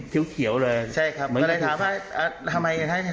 มีอาการบาดเจ็บมีอะไรนะ